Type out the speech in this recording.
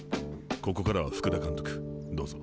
ここからは福田監督どうぞ。